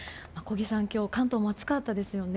今日、関東も暑かったですよね。